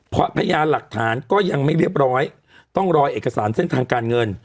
เพราะพยานหลักฐานก็ยังไม่เรียบร้อยต้องรอเอกสารเส้นทางการเงิน